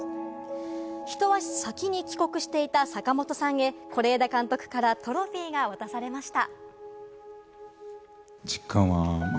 一足先に帰国していた坂元さんへ、是枝監督からトロフィーが渡されました。